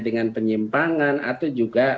dengan penyimpangan atau juga